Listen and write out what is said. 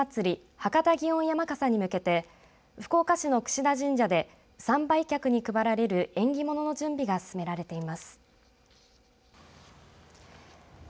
博多祇園山笠に向けて福岡市の櫛田神社で参拝客に配られる縁起物の準備が進められています。